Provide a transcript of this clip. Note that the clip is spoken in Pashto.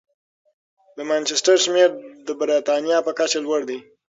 د مانچسټر شمېر د بریتانیا په کچه لوړ دی.